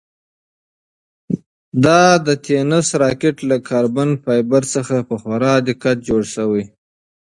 دا د تېنس راکټ له کاربن فایبر څخه په خورا دقت جوړ شوی.